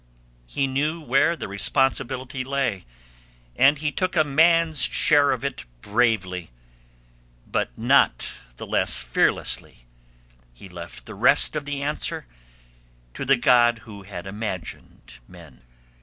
He knew where the Responsibility lay, and he took a man's share of it bravely; but not the less fearlessly he left the rest of the answer to the God who had imagined men.